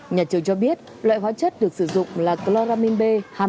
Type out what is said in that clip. nhà trường cho biết loại hóa chất được sử dụng là cloramin b hai mươi năm